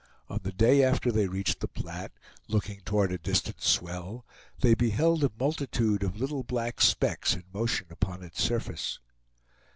On the day after they reached the Platte, looking toward a distant swell, they beheld a multitude of little black specks in motion upon its surface.